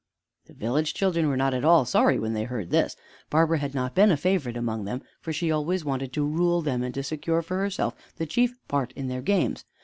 The village children were not at all sorry when they heard this. Barbara had not been a favorite among them, for she had always wanted to rule them and to secure for herself the chief part in their games.